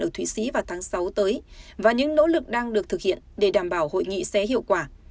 ở thụy sĩ vào tháng sáu tới và những nỗ lực đang được thực hiện để đảm bảo hội nghị sẽ hiệu quả